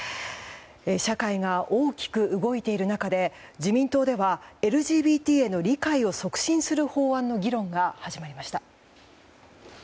社会が大きく動いている中で自民党ではＬＧＢＴへの理解を促進する法案の議論が始まりました。